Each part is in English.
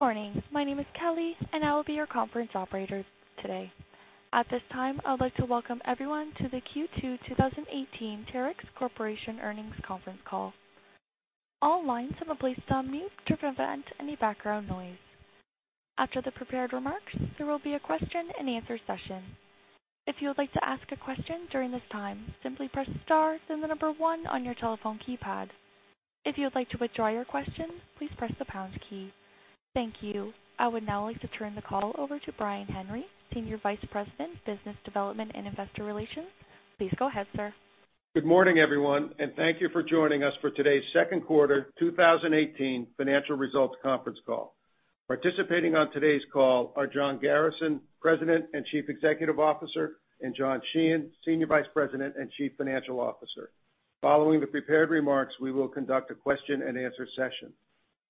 Good morning. My name is Kelly and I will be your conference operator today. At this time, I would like to welcome everyone to the Q2 2018 Terex Corporation Earnings Conference Call. All lines have been placed on mute to prevent any background noise. After the prepared remarks, there will be a question and answer session. If you would like to ask a question during this time, simply press star then the number one on your telephone keypad. If you would like to withdraw your question, please press the pound key. Thank you. I would now like to turn the call over to Brian Henry, Senior Vice President, Business Development and Investor Relations. Please go ahead, sir. Good morning, everyone. Thank you for joining us for today's second quarter 2018 financial results conference call. Participating on today's call are John Garrison, President and Chief Executive Officer, and John Sheehan, Senior Vice President and Chief Financial Officer. Following the prepared remarks, we will conduct a question and answer session.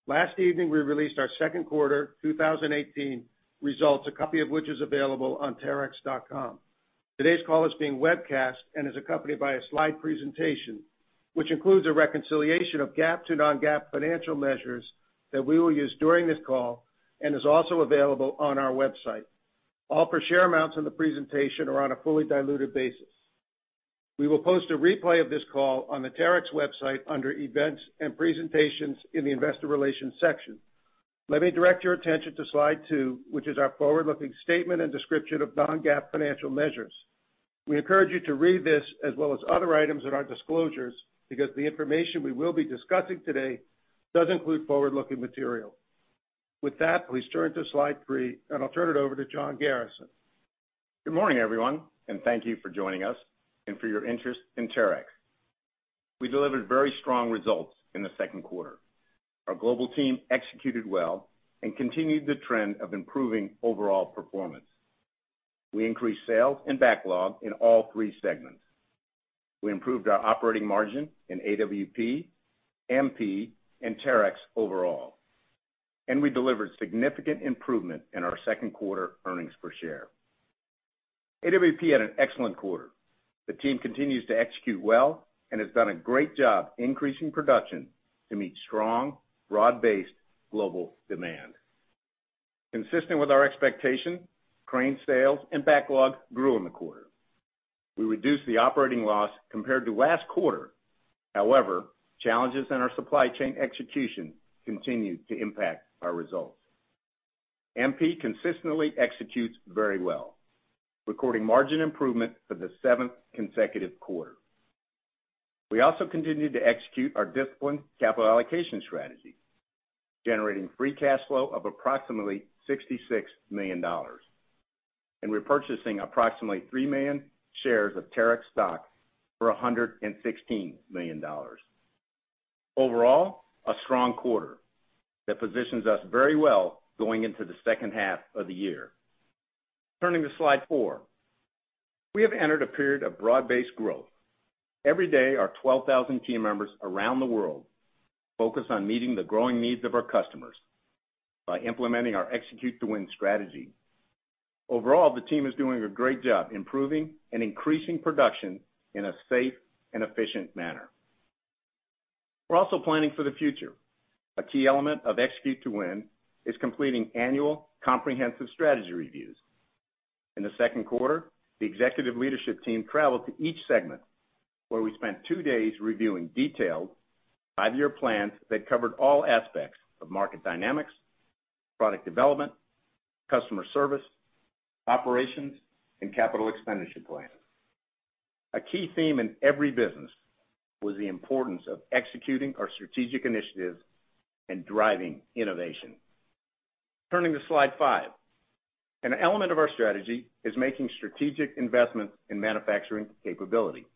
Last evening, we released our second quarter 2018 results, a copy of which is available on terex.com. Today's call is being webcast and is accompanied by a slide presentation, which includes a reconciliation of GAAP to non-GAAP financial measures that we will use during this call and is also available on our website. All per share amounts in the presentation are on a fully diluted basis. We will post a replay of this call on the Terex website under Events and Presentations in the Investor Relations section. Let me direct your attention to slide two, which is our forward-looking statement and description of non-GAAP financial measures. We encourage you to read this as well as other items in our disclosures because the information we will be discussing today does include forward-looking material. With that, please turn to slide three. I'll turn it over to John Garrison. Good morning, everyone. Thank you for joining us and for your interest in Terex. We delivered very strong results in the second quarter. Our global team executed well and continued the trend of improving overall performance. We increased sales and backlog in all three segments. We improved our operating margin in AWP, MP, and Terex overall. We delivered significant improvement in our second quarter earnings per share. AWP had an excellent quarter. The team continues to execute well and has done a great job increasing production to meet strong, broad-based global demand. Consistent with our expectation, crane sales and backlog grew in the quarter. We reduced the operating loss compared to last quarter. However, challenges in our supply chain execution continued to impact our results. MP consistently executes very well, recording margin improvement for the seventh consecutive quarter. We also continued to execute our disciplined capital allocation strategy, generating free cash flow of approximately $66 million, and repurchasing approximately 3 million shares of Terex stock for $116 million. Overall, a strong quarter that positions us very well going into the second half of the year. Turning to slide four. We have entered a period of broad-based growth. Every day, our 12,000 team members around the world focus on meeting the growing needs of our customers by implementing our Execute to Win strategy. Overall, the team is doing a great job improving and increasing production in a safe and efficient manner. We're also planning for the future. A key element of Execute to Win is completing annual comprehensive strategy reviews. In the second quarter, the executive leadership team traveled to each segment where we spent two days reviewing detailed five-year plans that covered all aspects of market dynamics, product development, customer service, operations, and CapEx plans. A key theme in every business was the importance of executing our strategic initiatives and driving innovation. Turning to slide five. An element of our strategy is making strategic investments in manufacturing capability.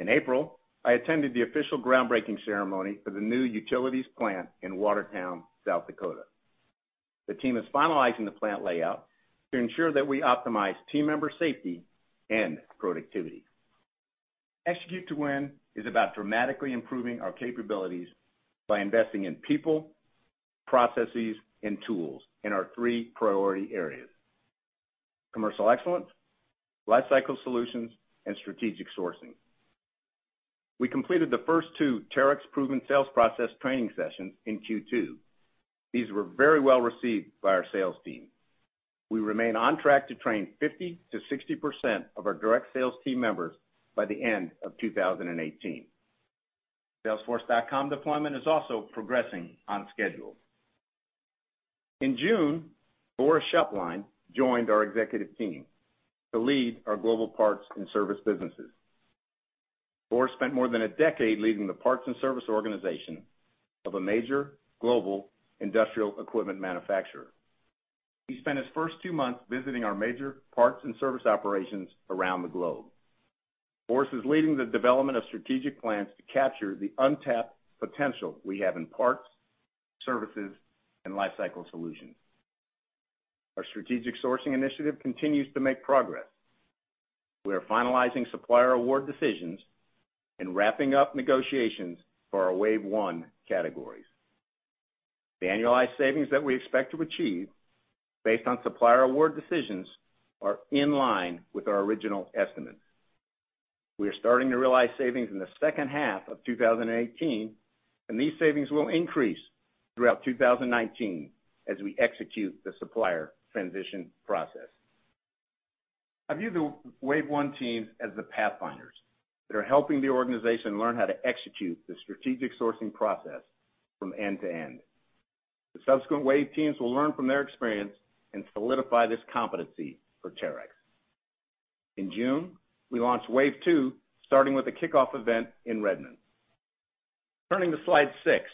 In April, I attended the official groundbreaking ceremony for the new utilities plant in Watertown, South Dakota. The team is finalizing the plant layout to ensure that we optimize team member safety and productivity. Execute to Win is about dramatically improving our capabilities by investing in people, processes, and tools in our three priority areas, commercial excellence, lifecycle solutions, and strategic sourcing. We completed the first two Terex Proven Sales Process training sessions in Q2. These were very well received by our sales team. We remain on track to train 50%-60% of our direct sales team members by the end of 2018. Salesforce.com deployment is also progressing on schedule. In June, Boris Schoepplein joined our executive team to lead our global parts and service businesses. Boris spent more than a decade leading the parts and service organization of a major global industrial equipment manufacturer. He spent his first two months visiting our major parts and service operations around the globe. Boris is leading the development of strategic plans to capture the untapped potential we have in parts, services, and lifecycle solutions. Our strategic sourcing initiative continues to make progress. We are finalizing supplier award decisions and wrapping up negotiations for our wave 1 categories. The annualized savings that we expect to achieve, based on supplier award decisions, are in line with our original estimates. We are starting to realize savings in the second half of 2018, and these savings will increase throughout 2019 as we execute the supplier transition process. I view the wave 1 teams as the pathfinders that are helping the organization learn how to execute the strategic sourcing process from end to end. The subsequent wave teams will learn from their experience and solidify this competency for Terex. In June, we launched wave 2, starting with a kickoff event in Redmond. Turning to slide six.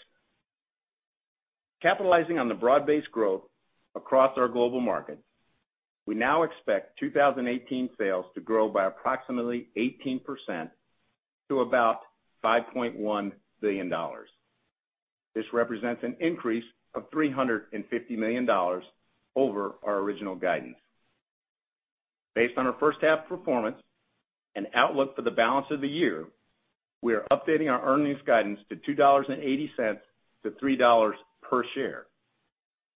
Capitalizing on the broad-based growth across our global markets, we now expect 2018 sales to grow by approximately 18% to about $5.1 billion. This represents an increase of $350 million over our original guidance. Based on our first half performance and outlook for the balance of the year, we are updating our earnings guidance to $2.80 to $3 per share.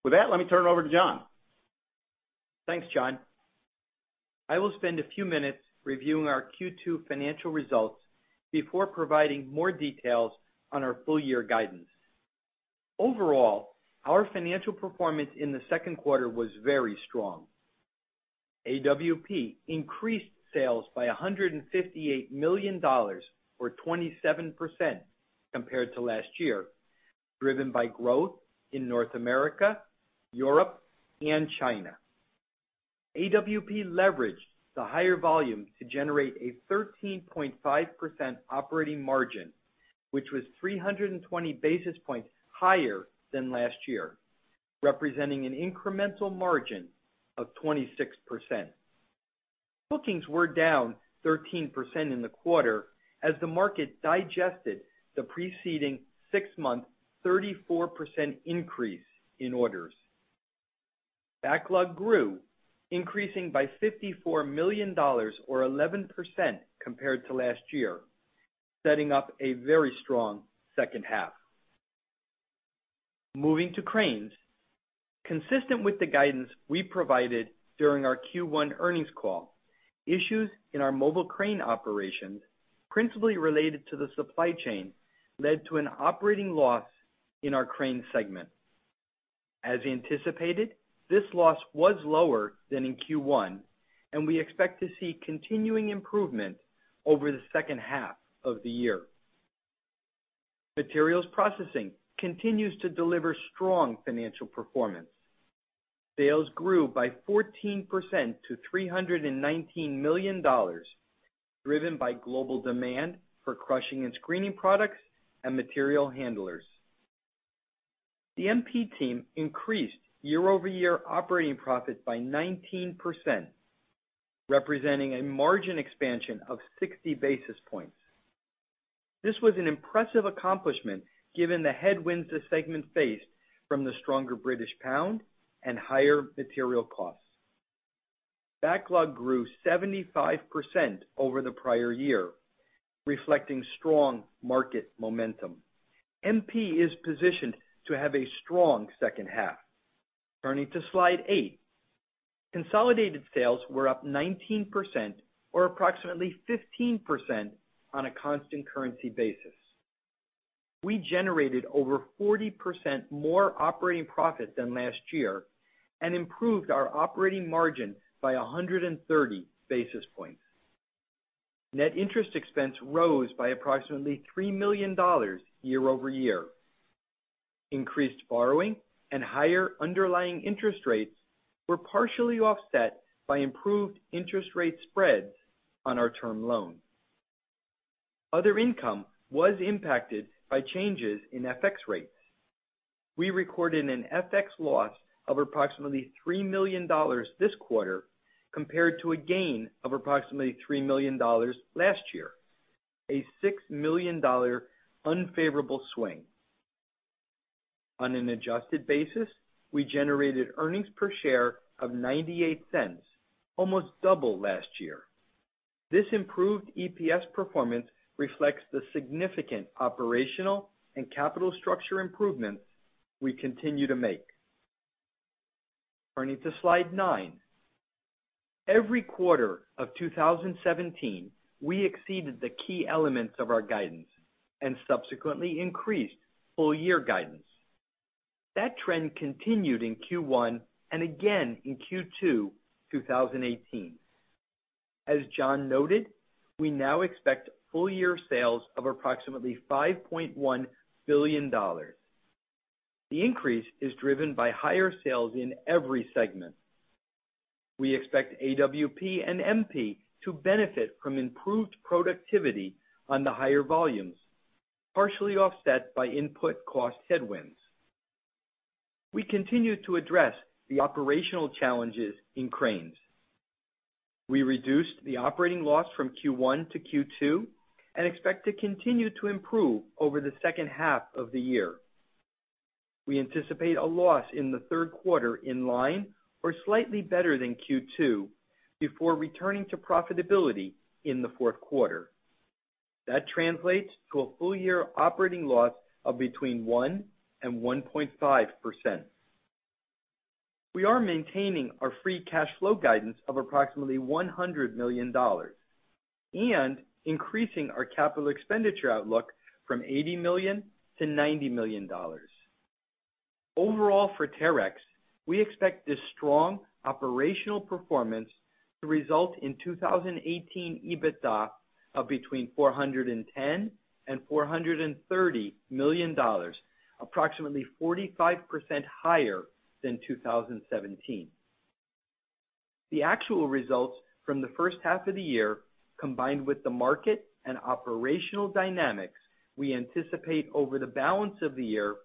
With that, let me turn it over to John. Thanks, John. I will spend a few minutes reviewing our Q2 financial results before providing more details on our full year guidance. Overall, our financial performance in the second quarter was very strong. AWP increased sales by $158 million or 27% compared to last year, driven by growth in North America, Europe, and China. AWP leveraged the higher volume to generate a 13.5% operating margin, which was 320 basis points higher than last year, representing an incremental margin of 26%. Bookings were down 13% in the quarter as the market digested the preceding six-month, 34% increase in orders. Backlog grew, increasing by $54 million or 11% compared to last year, setting up a very strong second half. Moving to Cranes. Consistent with the guidance we provided during our Q1 earnings call, issues in our mobile crane operations, principally related to the supply chain, led to an operating loss in our crane segment. As anticipated, this loss was lower than in Q1, and we expect to see continuing improvement over the second half of the year. Materials Processing continues to deliver strong financial performance. Sales grew by 14% to $319 million, driven by global demand for crushing and screening products and material handlers. The MP team increased year-over-year operating profit by 19%, representing a margin expansion of 60 basis points. This was an impressive accomplishment given the headwinds the segment faced from the stronger British pound and higher material costs. Backlog grew 75% over the prior year, reflecting strong market momentum. MP is positioned to have a strong second half. Turning to slide eight. Consolidated sales were up 19%, or approximately 15% on a constant currency basis. We generated over 40% more operating profit than last year and improved our operating margin by 130 basis points. Net interest expense rose by approximately $3 million year-over-year. Increased borrowing and higher underlying interest rates were partially offset by improved interest rate spreads on our term loans. Other income was impacted by changes in FX rates. We recorded an FX loss of approximately $3 million this quarter compared to a gain of approximately $3 million last year, a $6 million unfavorable swing. On an adjusted basis, we generated earnings per share of $0.98, almost double last year. This improved EPS performance reflects the significant operational and capital structure improvements we continue to make. Turning to slide nine. Every quarter of 2017, we exceeded the key elements of our guidance and subsequently increased full year guidance. That trend continued in Q1 and again in Q2 2018. As John noted, we now expect full year sales of approximately $5.1 billion. The increase is driven by higher sales in every segment. We expect AWP and MP to benefit from improved productivity on the higher volumes, partially offset by input cost headwinds. We continue to address the operational challenges in Cranes. We reduced the operating loss from Q1 to Q2 and expect to continue to improve over the second half of the year. We anticipate a loss in the third quarter in line or slightly better than Q2 before returning to profitability in the fourth quarter. That translates to a full year operating loss of between 1% and 1.5%. We are maintaining our free cash flow guidance of approximately $100 million and increasing our capital expenditure outlook from $80 million to $90 million. Overall for Terex, we expect this strong operational performance to result in 2018 EBITDA of between $410 million and $430 million, approximately 45% higher than 2017. The actual results from the first half of the year, combined with the market and operational dynamics we anticipate over the balance of the year,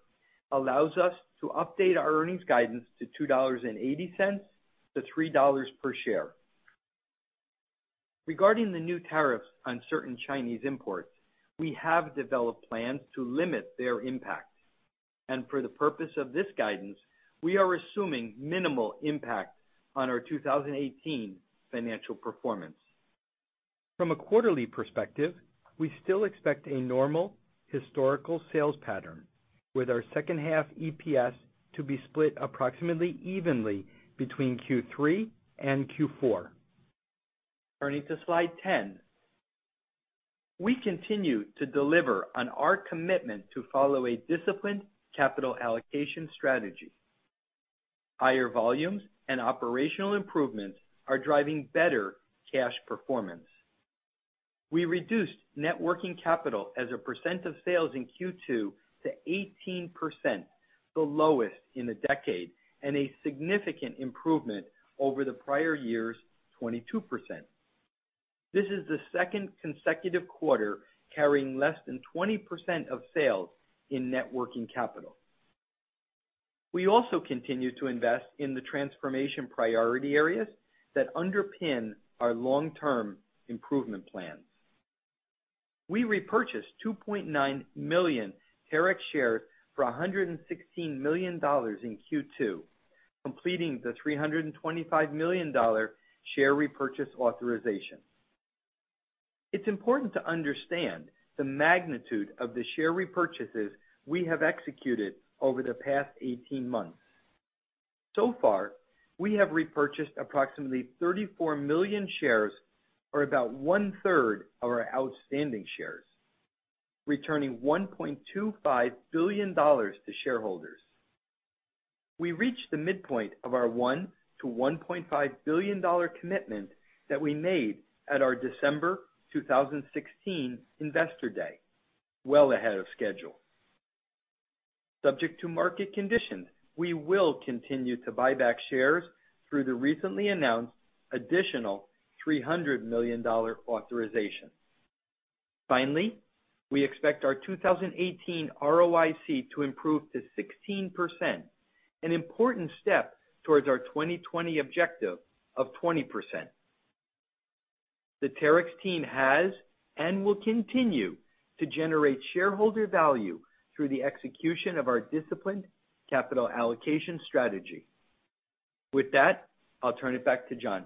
allows us to update our earnings guidance to $2.80-$3 per share. Regarding the new tariffs on certain Chinese imports, we have developed plans to limit their impact. For the purpose of this guidance, we are assuming minimal impact on our 2018 financial performance. From a quarterly perspective, we still expect a normal historical sales pattern with our second half EPS to be split approximately evenly between Q3 and Q4. Turning to slide 10. We continue to deliver on our commitment to follow a disciplined capital allocation strategy. Higher volumes and operational improvements are driving better cash performance. We reduced net working capital as a percent of sales in Q2 to 18%, the lowest in a decade, and a significant improvement over the prior year's 22%. This is the second consecutive quarter carrying less than 20% of sales in net working capital. We also continue to invest in the transformation priority areas that underpin our long-term improvement plans. We repurchased 2.9 million Terex shares for $116 million in Q2, completing the $325 million share repurchase authorization. It's important to understand the magnitude of the share repurchases we have executed over the past 18 months. So far, we have repurchased approximately 34 million shares or about one-third of our outstanding shares, returning $1.25 billion to shareholders. We reached the midpoint of our $1 billion to $1.5 billion commitment that we made at our December 2016 Investor Day, well ahead of schedule. Subject to market conditions, we will continue to buy back shares through the recently announced additional $300 million authorization. Finally, we expect our 2018 ROIC to improve to 16%, an important step towards our 2020 objective of 20%. The Terex team has and will continue to generate shareholder value through the execution of our disciplined capital allocation strategy. With that, I'll turn it back to John.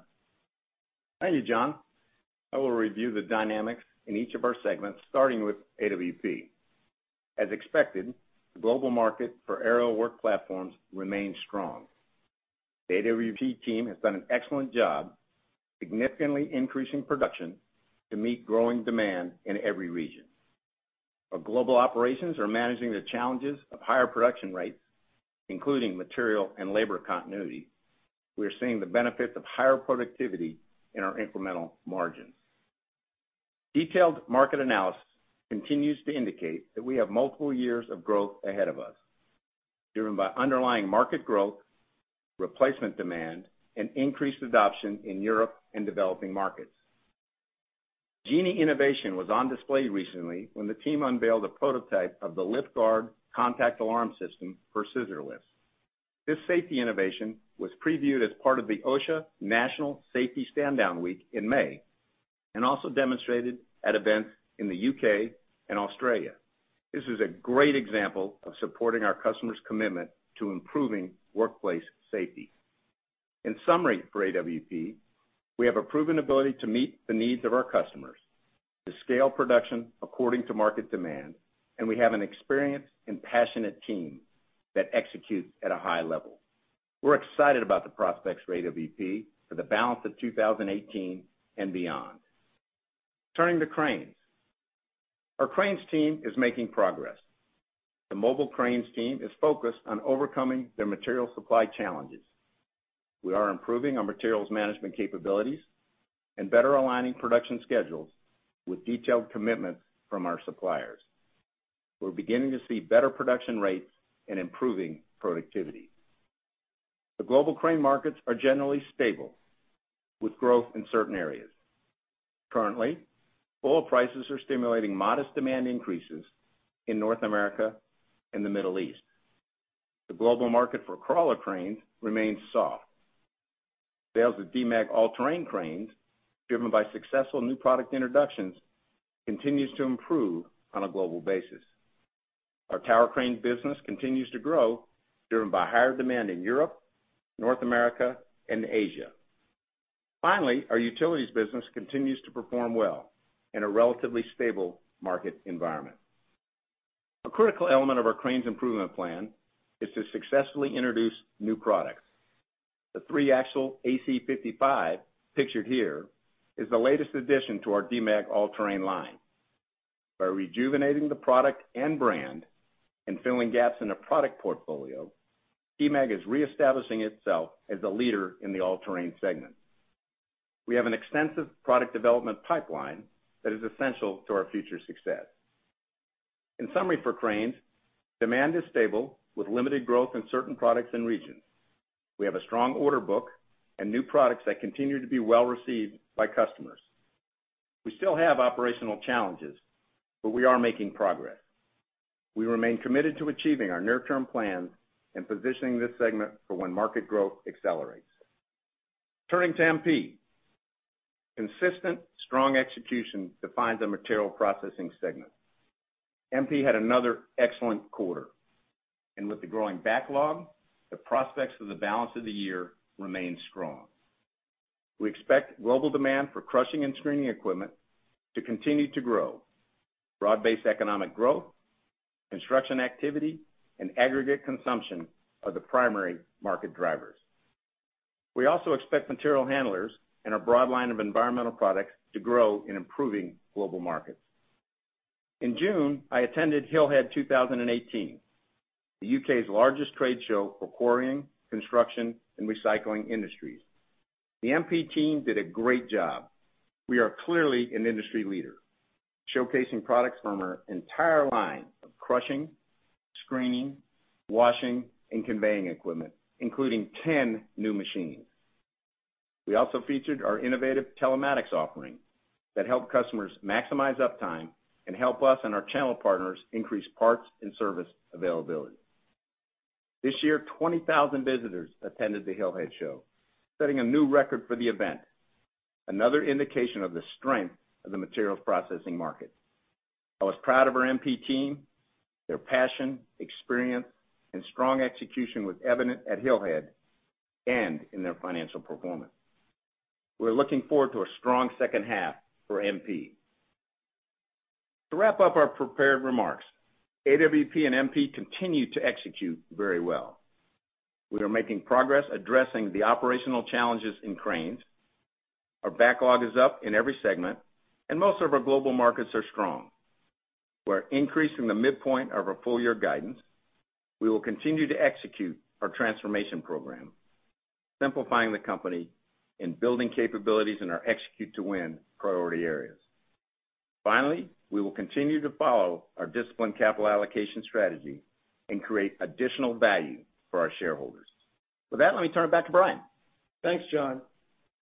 Thank you, John. I will review the dynamics in each of our segments, starting with AWP. As expected, the global market for aerial work platforms remains strong. The AWP team has done an excellent job, significantly increasing production to meet growing demand in every region. Our global operations are managing the challenges of higher production rates, including material and labor continuity. We are seeing the benefits of higher productivity in our incremental margins. Detailed market analysis continues to indicate that we have multiple years of growth ahead of us, driven by underlying market growth, replacement demand, and increased adoption in Europe and developing markets. Genie Innovation was on display recently when the team unveiled a prototype of the Lift Guard contact alarm system for scissor lifts. This safety innovation was previewed as part of the OSHA National Safety Stand-Down Week in May and also demonstrated at events in the U.K. and Australia. This is a great example of supporting our customers' commitment to improving workplace safety. In summary, for AWP, we have a proven ability to meet the needs of our customers, to scale production according to market demand, and we have an experienced and passionate team that executes at a high level. We're excited about the prospects for AWP for the balance of 2018 and beyond. Turning to cranes. Our cranes team is making progress. The mobile cranes team is focused on overcoming their material supply challenges. We are improving our materials management capabilities and better aligning production schedules with detailed commitments from our suppliers. We're beginning to see better production rates and improving productivity. The global crane markets are generally stable, with growth in certain areas. Currently, oil prices are stimulating modest demand increases in North America and the Middle East. The global market for crawler cranes remains soft. Sales of Demag all-terrain cranes, driven by successful new product introductions, continues to improve on a global basis. Our tower crane business continues to grow, driven by higher demand in Europe, North America, and Asia. Finally, our utilities business continues to perform well in a relatively stable market environment. A critical element of our cranes improvement plan is to successfully introduce new products. The three-axle AC 55, pictured here, is the latest addition to our Demag all-terrain line. By rejuvenating the product and brand and filling gaps in the product portfolio, Demag is reestablishing itself as a leader in the all-terrain segment. We have an extensive product development pipeline that is essential to our future success. In summary for cranes, demand is stable with limited growth in certain products and regions. We have a strong order book and new products that continue to be well-received by customers. We still have operational challenges, but we are making progress. We remain committed to achieving our near-term plans and positioning this segment for when market growth accelerates. Turning to MP. Consistent, strong execution defines the Material Processing segment. MP had another excellent quarter, with the growing backlog, the prospects for the balance of the year remain strong. We expect global demand for crushing and screening equipment to continue to grow. Broad-based economic growth, construction activity, and aggregate consumption are the primary market drivers. We also expect material handlers and our broad line of environmental products to grow in improving global markets. In June, I attended Hillhead 2018, the U.K.'s largest trade show for quarrying, construction, and recycling industries. The MP team did a great job. We are clearly an industry leader, showcasing products from our entire line of crushing, screening, washing, and conveying equipment, including 10 new machines. We also featured our innovative telematics offering that help customers maximize uptime and help us and our channel partners increase parts and service availability. This year, 20,000 visitors attended the Hillhead Show, setting a new record for the event, another indication of the strength of the Materials Processing market. I was proud of our MP team, their passion, experience, and strong execution was evident at Hillhead and in their financial performance. We're looking forward to a strong second half for MP. To wrap up our prepared remarks, AWP and MP continue to execute very well. We are making progress addressing the operational challenges in cranes. Our backlog is up in every segment, and most of our global markets are strong. We're increasing the midpoint of our full-year guidance. We will continue to execute our transformation program, simplifying the company and building capabilities in our Execute to Win priority areas. Finally, we will continue to follow our disciplined capital allocation strategy and create additional value for our shareholders. With that, let me turn it back to Brian. Thanks, John.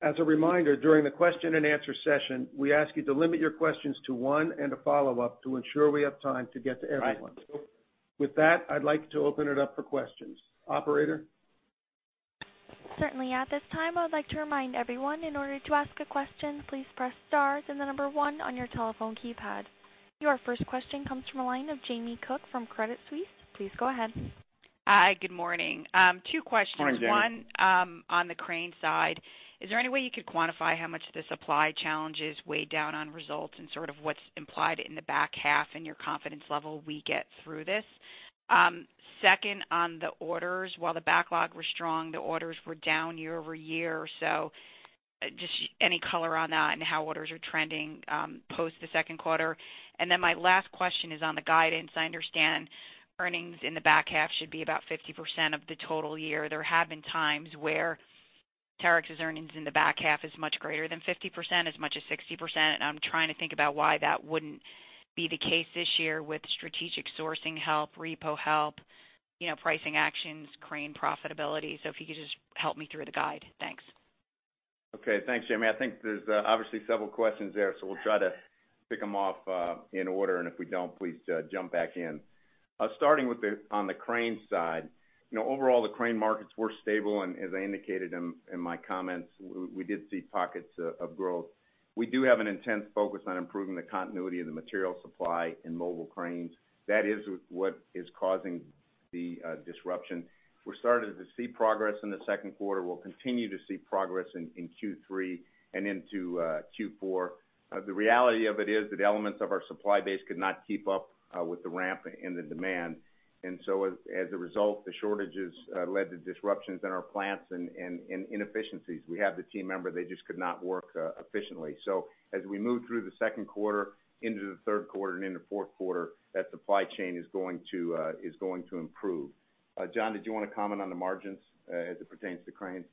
As a reminder, during the question and answer session, we ask you to limit your questions to one and a follow-up to ensure we have time to get to everyone. Right. With that, I'd like to open it up for questions. Operator? Certainly. At this time, I would like to remind everyone, in order to ask a question, please press star then the number 1 on your telephone keypad. Your first question comes from the line of Jamie Cook from Credit Suisse. Please go ahead. Hi. Good morning. Two questions. Good morning, Jamie. One, on the crane side, is there any way you could quantify how much the supply challenges weighed down on results and sort of what's implied in the back half and your confidence level we get through this? Second, on the orders, while the backlog was strong, the orders were down year-over-year. Just any color on that and how orders are trending, post the second quarter. My last question is on the guidance. I understand earnings in the back half should be about 50% of the total year. There have been times where Terex's earnings in the back half is much greater than 50%, as much as 60%, and I'm trying to think about why that wouldn't be the case this year with strategic sourcing help, repo help, pricing actions, crane profitability. If you could just help me through the guide. Thanks. Okay. Thanks, Jamie. I think there's obviously several questions there, so we'll try to pick them off in order, and if we don't, please jump back in. Starting on the crane side. Overall, the crane markets were stable, and as I indicated in my comments, we did see pockets of growth. We do have an intense focus on improving the continuity of the material supply in mobile cranes. That is what is causing the disruption. We're starting to see progress in the second quarter. We'll continue to see progress in Q3 and into Q4. The reality of it is that elements of our supply base could not keep up with the ramp in the demand. As a result, the shortages led to disruptions in our plants and inefficiencies. We have the team member, they just could not work efficiently. As we move through the second quarter into the third quarter and into fourth quarter, that supply chain is going to improve. John, did you want to comment on the margins as it pertains to cranes?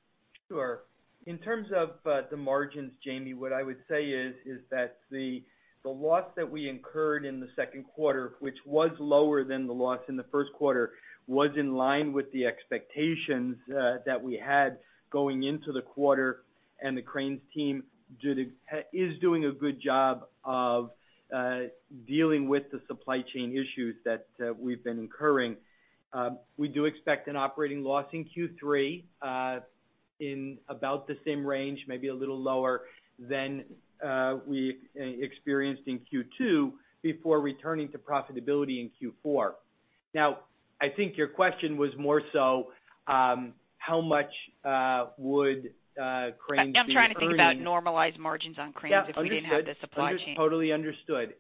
Sure. In terms of the margins, Jamie, what I would say is that the loss that we incurred in the second quarter, which was lower than the loss in the first quarter, was in line with the expectations that we had going into the quarter, and the cranes team is doing a good job of dealing with the supply chain issues that we've been incurring. We do expect an operating loss in Q3 in about the same range, maybe a little lower than we experienced in Q2 before returning to profitability in Q4. Now, I think your question was more so how much would cranes be earning. I'm trying to think about normalized margins on cranes. Yeah, understood. If we didn't have the supply chain. Totally understood.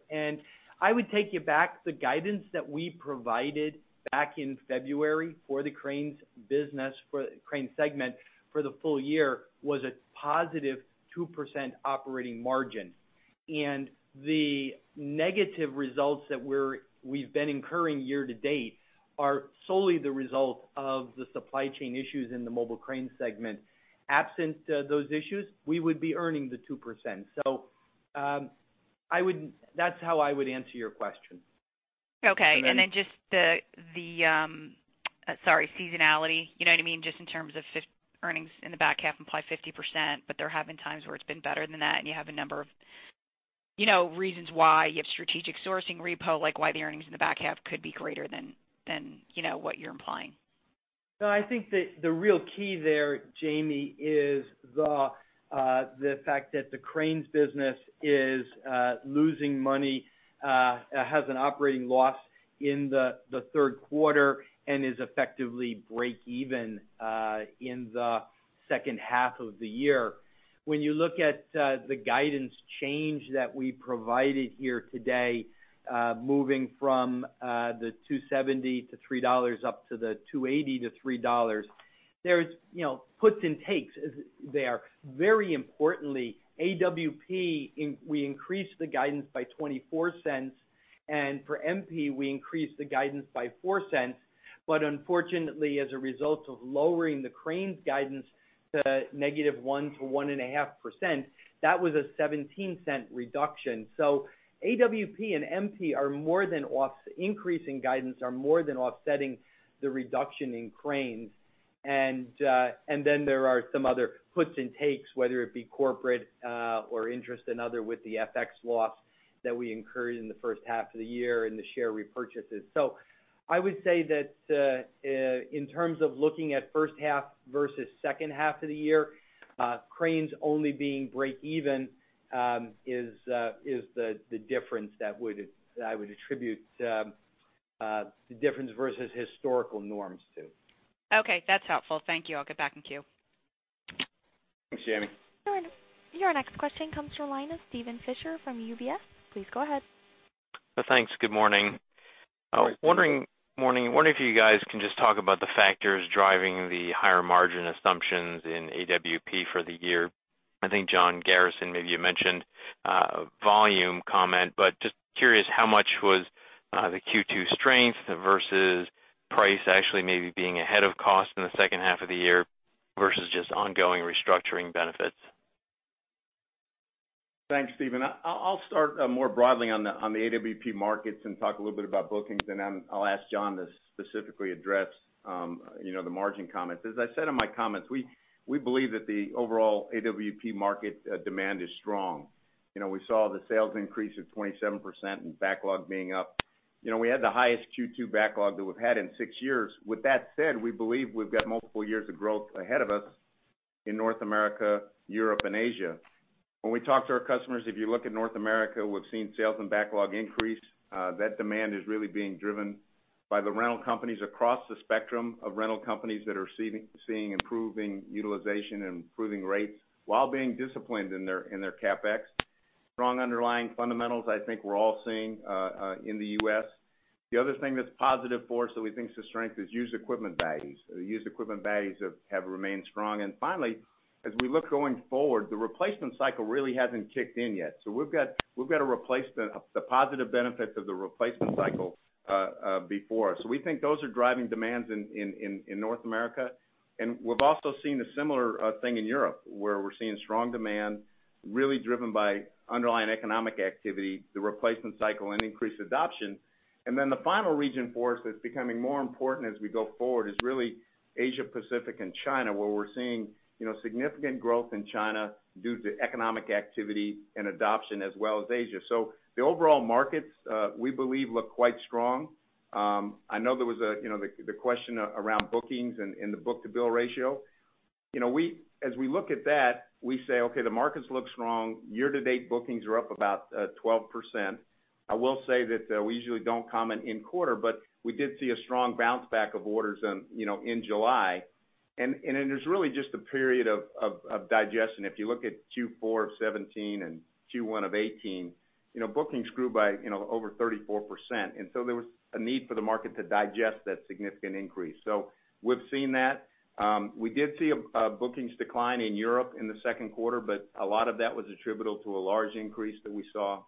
I would take you back, the guidance that we provided back in February for the Cranes business, for the Cranes segment, for the full year was a positive 2% operating margin. The negative results that we've been incurring year-to-date are solely the result of the supply chain issues in the mobile Crane segment. Absent those issues, we would be earning the 2%. That's how I would answer your question. Okay. And then just the, sorry, seasonality. You know what I mean? Just in terms of earnings in the back half imply 50%, there have been times where it's been better than that, and you have a number of reasons why. You have strategic sourcing repo, like why the earnings in the back half could be greater than what you're implying. I think that the real key there, Jamie, is the fact that the Cranes business is losing money, has an operating loss in the third quarter and is effectively break even in the second half of the year. You look at the guidance change that we provided here today, moving from the $2.70-$3 up to the $2.80-$3, there's puts and takes there. Very importantly, AWP, we increased the guidance by $0.24. For MP, we increased the guidance by $0.04. Unfortunately, as a result of lowering the Cranes guidance to -1% to 1.5%, that was a $0.17 reduction. AWP and MP increase in guidance are more than offsetting the reduction in Cranes. There are some other puts and takes, whether it be corporate or interest and other with the FX loss that we incurred in the first half of the year and the share repurchases. I would say that in terms of looking at first half versus second half of the year, Cranes only being break even is the difference that I would attribute the difference versus historical norms to. That's helpful. Thank you. I'll get back in queue. Thanks, Jamie. Your next question comes from the line of Steven Fisher from UBS. Please go ahead. Thanks. Good morning. Good morning. Morning. Wondering if you guys can just talk about the factors driving the higher margin assumptions in AWP for the year. I think, John Garrison, maybe you mentioned a volume comment, but just curious, how much was the Q2 strength versus price actually maybe being ahead of cost in the second half of the year versus just ongoing restructuring benefits? Thanks, Steven. I'll start more broadly on the AWP markets and talk a little bit about bookings, then I'll ask John to specifically address the margin comments. As I said in my comments, we believe that the overall AWP market demand is strong. We saw the sales increase of 27% and backlog being up. We had the highest Q2 backlog that we've had in six years. With that said, we believe we've got multiple years of growth ahead of us in North America, Europe, and Asia. When we talk to our customers, if you look at North America, we've seen sales and backlog increase. That demand is really being driven by the rental companies across the spectrum of rental companies that are seeing improving utilization and improving rates while being disciplined in their CapEx. Strong underlying fundamentals I think we're all seeing in the U.S. The other thing that's positive for us that we think is a strength is used equipment values. The used equipment values have remained strong. Finally, as we look going forward, the replacement cycle really hasn't kicked in yet. We've got to replace the positive benefits of the replacement cycle before us. We think those are driving demands in North America. We've also seen a similar thing in Europe, where we're seeing strong demand really driven by underlying economic activity, the replacement cycle, and increased adoption. The final region for us that's becoming more important as we go forward is really Asia-Pacific and China, where we're seeing significant growth in China due to economic activity and adoption as well as Asia. The overall markets, we believe, look quite strong. I know there was the question around bookings and the book-to-bill ratio. As we look at that, we say, okay, the markets look strong. Year-to-date bookings are up about 12%. I will say that we usually don't comment in quarter, but we did see a strong bounce back of orders in July. There's really just a period of digestion. If you look at Q4 of 2017 and Q1 of 2018, bookings grew by over 34%. There was a need for the market to digest that significant increase. We've seen that. We did see a bookings decline in Europe in the second quarter, but a lot of that was attributable to a large increase that we saw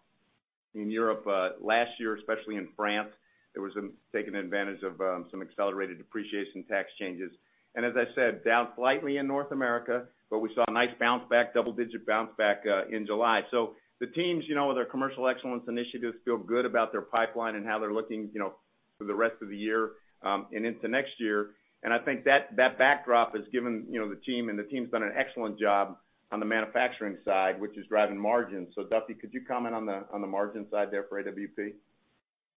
in Europe last year, especially in France. There was taking advantage of some accelerated depreciation tax changes. As I said, down slightly in North America, but we saw a nice bounce back, double-digit bounce back in July. The teams, with their commercial excellence initiatives, feel good about their pipeline and how they're looking for the rest of the year and into next year. I think that backdrop has given the team, and the team's done an excellent job on the manufacturing side, which is driving margins. Duffy, could you comment on the margin side there for AWP?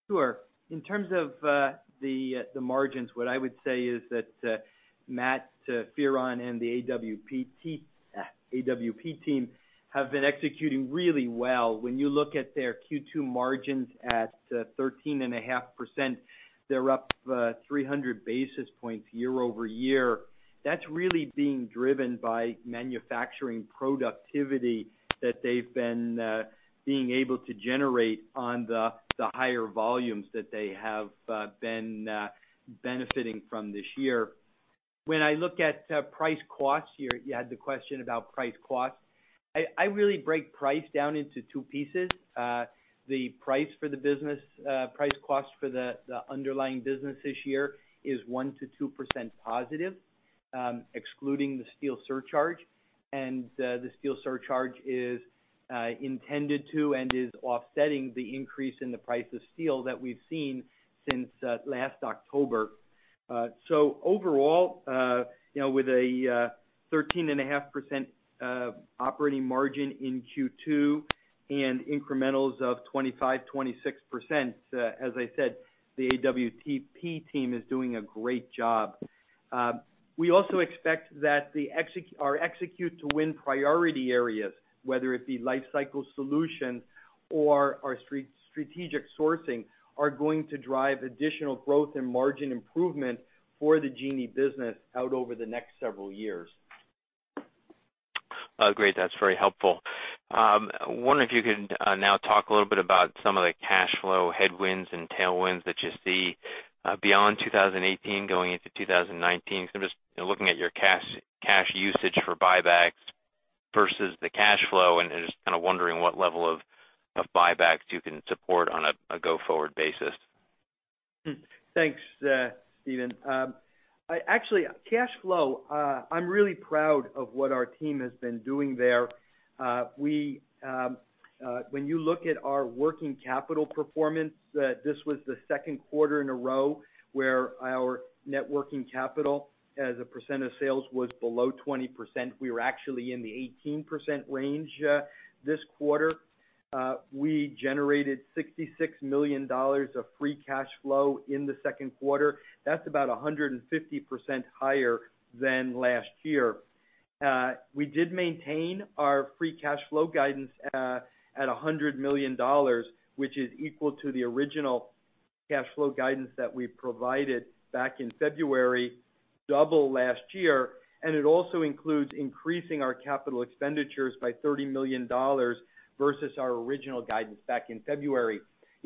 Sure. In terms of the margins, what I would say is that Matt Fearon and the AWP team have been executing really well. When you look at their Q2 margins at 13.5%, they're up 300 basis points year-over-year. That's really being driven by manufacturing productivity that they've been able to generate on the higher volumes that they have been benefiting from this year. When I look at price costs here, you had the question about price cost. I really break price down into two pieces. The price cost for the underlying business this year is 1%-2% positive, excluding the steel surcharge. The steel surcharge is intended to, and is offsetting the increase in the price of steel that we've seen since last October. Overall, with a 13.5% operating margin in Q2 and incrementals of 25%-26%, as I said, the AWP team is doing a great job. We also expect that our Execute to Win priority areas, whether it be life cycle solutions or our strategic sourcing, are going to drive additional growth and margin improvement for the Genie business out over the next several years. Great. That's very helpful. Wonder if you could now talk a little bit about some of the cash flow headwinds and tailwinds that you see beyond 2018 going into 2019. I'm just looking at your cash usage for buybacks versus the cash flow and just kind of wondering what level of buybacks you can support on a go-forward basis. Thanks, Steven. Actually, cash flow, I'm really proud of what our team has been doing there. When you look at our working capital performance, this was the second quarter in a row where our net working capital as a percent of sales was below 20%. We were actually in the 18% range this quarter. We generated $66 million of free cash flow in the second quarter. That's about 150% higher than last year. We did maintain our free cash flow guidance at $100 million, which is equal to the original cash flow guidance that we provided back in February, double last year, and it also includes increasing our capital expenditures by $30 million versus our original guidance back in February.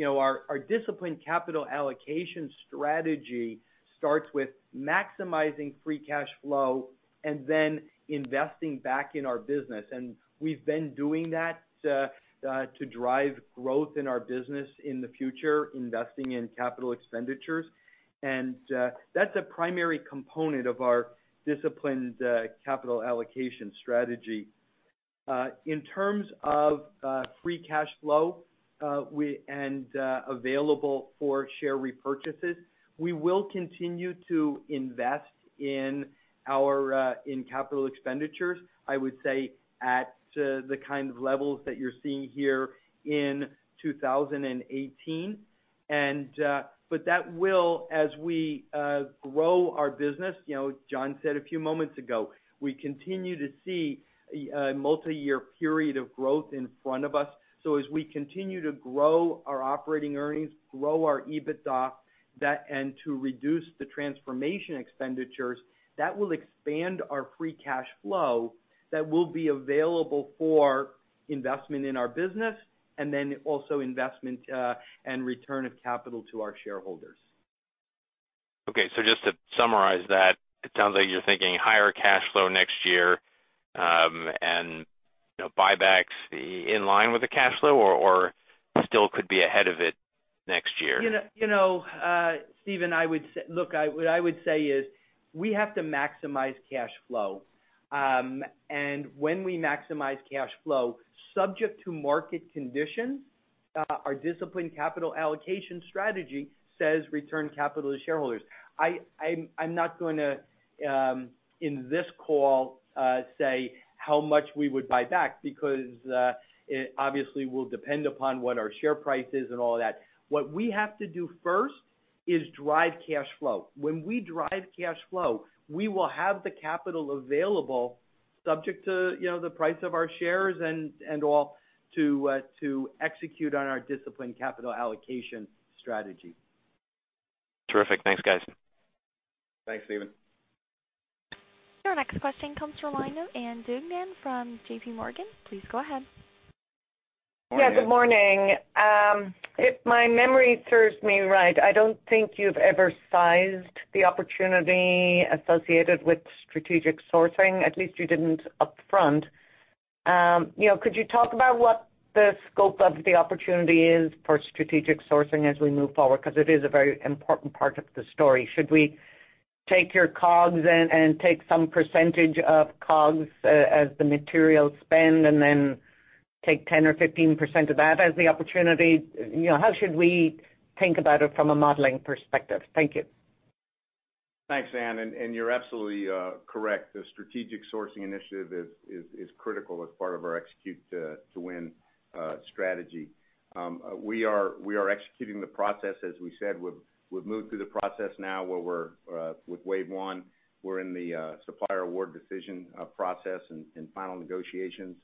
Our disciplined capital allocation strategy starts with maximizing free cash flow and then investing back in our business. We've been doing that to drive growth in our business in the future, investing in capital expenditures. That's a primary component of our disciplined capital allocation strategy. In terms of free cash flow and available for share repurchases, we will continue to invest in capital expenditures, I would say, at the kind of levels that you're seeing here in 2018. That will, as we grow our business, as John said a few moments ago, we continue to see a multi-year period of growth in front of us. As we continue to grow our operating earnings, grow our EBITDA, and to reduce the transformation expenditures, that will expand our free cash flow that will be available for investment in our business, and then also investment and return of capital to our shareholders. just to summarize that, it sounds like you're thinking higher cash flow next year, and buybacks in line with the cash flow, or still could be ahead of it next year? Steven, look, what I would say is we have to maximize cash flow. When we maximize cash flow, subject to market conditions, our disciplined capital allocation strategy says return capital to shareholders. I'm not going to, in this call, say how much we would buy back because it obviously will depend upon what our share price is and all that. What we have to do first is drive cash flow. When we drive cash flow, we will have the capital available subject to the price of our shares and all to execute on our disciplined capital allocation strategy. Terrific. Thanks, guys. Thanks, Steven. Your next question comes from Ann Duignan from JPMorgan. Please go ahead. Yeah, good morning. If my memory serves me right, I don't think you've ever sized the opportunity associated with strategic sourcing. At least you didn't upfront. Could you talk about what the scope of the opportunity is for strategic sourcing as we move forward? Because it is a very important part of the story. Should we take your COGS and take some percentage of COGS as the material spend and then take 10% or 15% of that as the opportunity? How should we think about it from a modeling perspective? Thank you. Thanks, Ann, you're absolutely correct. The Strategic Sourcing Initiative is critical as part of our Execute to Win strategy. We are executing the process as we said. We've moved through the process now where we're with wave 1. We're in the supplier award decision process and final negotiations.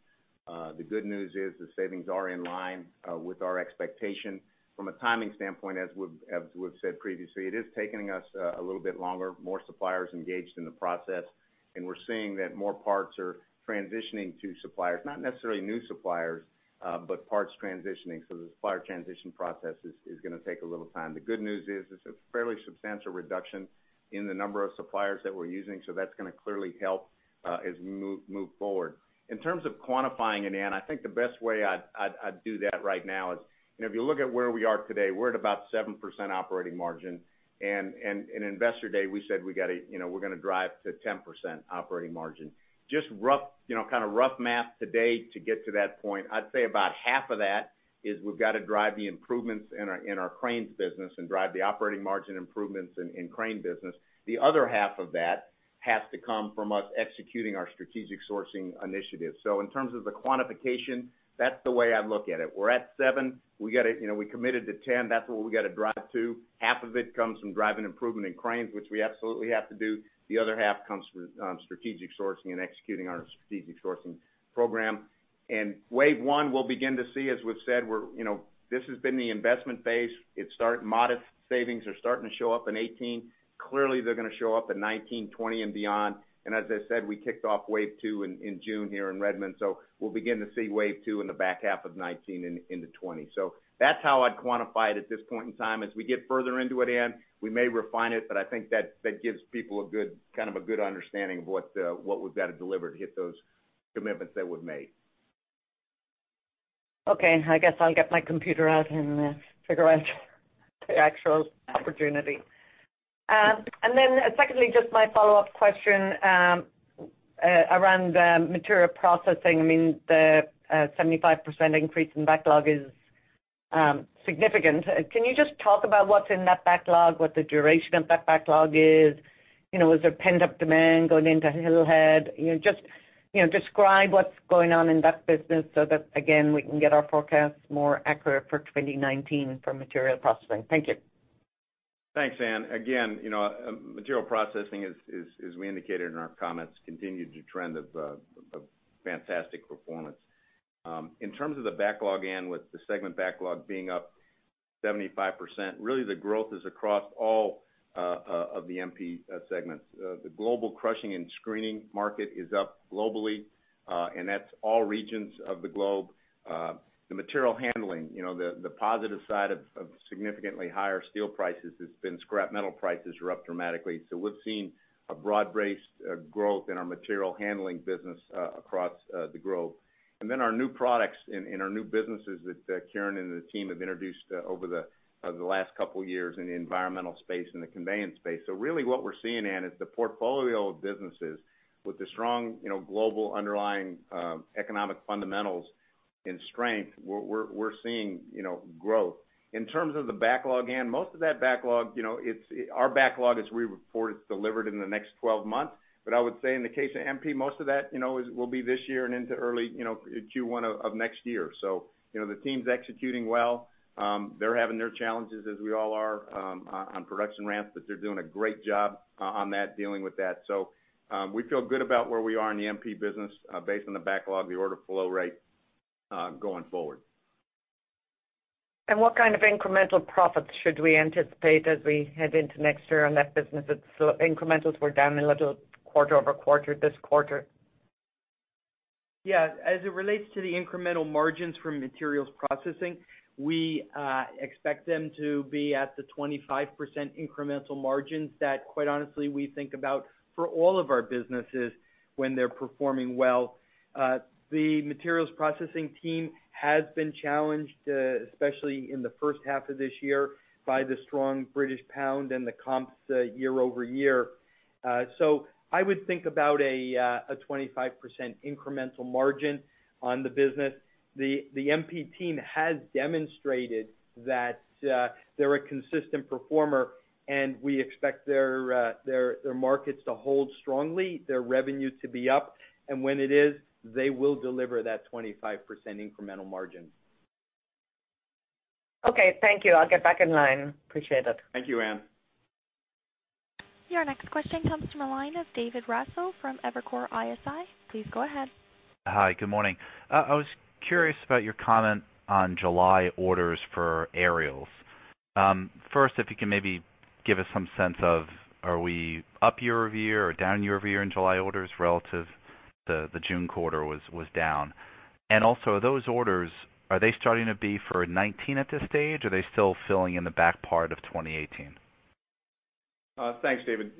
The good news is the savings are in line with our expectation. From a timing standpoint, as we've said previously, it is taking us a little bit longer, more suppliers engaged in the process, and we're seeing that more parts are transitioning to suppliers. Not necessarily new suppliers, but parts transitioning. The supplier transition process is going to take a little time. The good news is it's a fairly substantial reduction in the number of suppliers that we're using, so that's going to clearly help as we move forward. In terms of quantifying it, Ann, I think the best way I'd do that right now is, if you look at where we are today, we're at about 7% operating margin. In Investor Day, we said we're going to drive to 10% operating margin. Just kind of rough math today to get to that point, I'd say about half of that is we've got to drive the improvements in our Cranes business and drive the operating margin improvements in Cranes business. The other half of that has to come from us executing our Strategic Sourcing Initiative. In terms of the quantification, that's the way I'd look at it. We're at 7%, we committed to 10%. That's what we've got to drive to. Half of it comes from driving improvement in Cranes, which we absolutely have to do. The other half comes from strategic sourcing and executing our strategic sourcing program. Wave one we'll begin to see, as we've said, this has been the investment phase. Modest savings are starting to show up in 2018. Clearly, they're going to show up in 2019, 2020 and beyond. As I said, we kicked off wave two in June here in Redmond, we'll begin to see wave two in the back half of 2019 and into 2020. That's how I'd quantify it at this point in time. As we get further into it, Ann, we may refine it, but I think that gives people kind of a good understanding of what we've got to deliver to hit those commitments that we've made. Okay. I guess I'll get my computer out and figure out the actual opportunity. Then secondly, just my follow-up question around Materials Processing. I mean, the 75% increase in backlog is significant. Can you just talk about what's in that backlog, what the duration of that backlog is? Is there pent-up demand going into Hillhead? Just describe what's going on in that business so that, again, we can get our forecasts more accurate for 2019 for Materials Processing. Thank you. Thanks, Ann. Again, Materials Processing as we indicated in our comments, continued to trend of fantastic performance. In terms of the backlog, Ann, with the segment backlog being up 75%, really the growth is across all of the MP segments. The global crushing and screening market is up globally, and that's all regions of the globe. The material handling, the positive side of significantly higher steel prices has been scrap metal prices are up dramatically. We've seen a broad-based growth in our material handling business across the globe. Then our new products and our new businesses that Kieran and the team have introduced over the last couple of years in the environmental space and the conveyance space. Really what we're seeing, Ann, is the portfolio of businesses with the strong global underlying economic fundamentals and strength, we're seeing growth. In terms of the backlog, Ann, most of that backlog, our backlog is we report it's delivered in the next 12 months. I would say in the case of MP, most of that will be this year and into early Q1 of next year. The team's executing well. They're having their challenges, as we all are on production ramps, but they're doing a great job on that, dealing with that. We feel good about where we are in the MP business based on the backlog, the order flow rate going forward. What kind of incremental profits should we anticipate as we head into next year on that business? Incrementals were down a little quarter-over-quarter this quarter. Yeah. As it relates to the incremental margins from Materials Processing, we expect them to be at the 25% incremental margins that quite honestly we think about for all of our businesses when they're performing well. The Materials Processing team has been challenged, especially in the first half of this year by the strong British pound and the comps year-over-year. I would think about a 25% incremental margin on the business. The MP team has demonstrated that they're a consistent performer, and we expect their markets to hold strongly, their revenue to be up, and when it is, they will deliver that 25% incremental margin. Okay, thank you. I'll get back in line. Appreciate it. Thank you, Ann. Your next question comes from the line of David Raso from Evercore ISI. Please go ahead. Hi, good morning. I was curious about your comment on July orders for Aerials. First, if you can maybe give us some sense of, are we up year-over-year or down year-over-year in July orders relative, the June quarter was down. Also those orders, are they starting to be for 2019 at this stage, or are they still filling in the back part of 2018? Thanks, David.